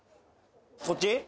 こっち？